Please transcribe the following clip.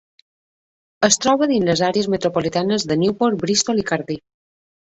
Es troba dins de les àrees metropolitanes de Newport, Bristol i Cardiff.